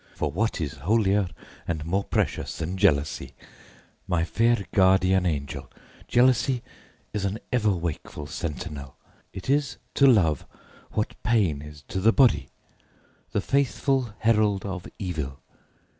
For what is holier and more precious than jealousy? My fair guardian angel, jealousy is an ever wakeful sentinel; it is to love what pain is to the body, the faithful herald of evil.